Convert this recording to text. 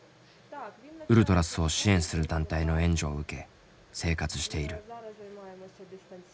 ウルトラスを支援する団体の援助を受け生活している。